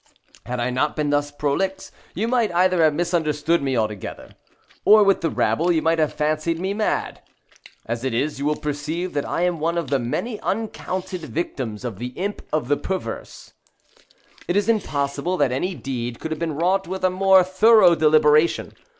Had I not been thus prolix, you might either have misunderstood me altogether, or, with the rabble, have fancied me mad. As it is, you will easily perceive that I am one of the many uncounted victims of the Imp of the Perverse. It is impossible that any deed could have been wrought with a more thorough deliberation.